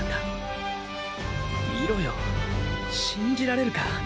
見ろよ信じられるか。